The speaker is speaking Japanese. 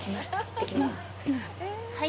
はい。